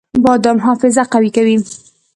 بادام حافظه قوي کوي